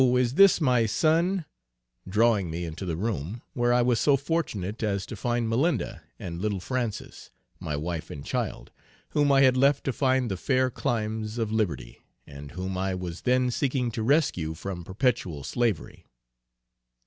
is this my son," drawing me into the room, where I was so fortunate as to find Malinda, and little Frances, my wife and child, whom I had left to find the fair climes of liberty, and whom I was then seeking to rescue from perpetual slavery.